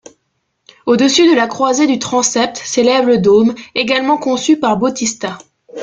Au-dessus de la croisée du transept s’élève le dôme, également conçu par Bautista.